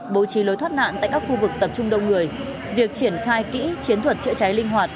bố trí lối thoát nạn tại các khu vực tập trung đông người việc triển khai kỹ chiến thuật chữa cháy linh hoạt